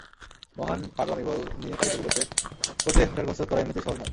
মহান পাগলামিবল নিয়ে কারিকুরি করতে করতে হাঁটার কসরত করা এমনিতেই সহজ নয়।